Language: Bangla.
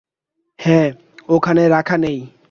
হ্যাঁ, ওখানে রাখা নেই।